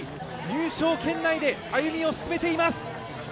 入賞圏内で歩みを進めています。